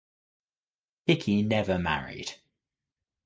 Hickie never married.